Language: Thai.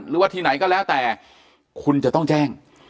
หรือว่าที่ไหนก็แล้วแต่คุณจะต้องแจ้ง